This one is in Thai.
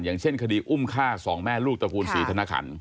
อย่างเช่นคดีอุ้มฆ่าสองแม่ลูกตระกูลศรีธนคัน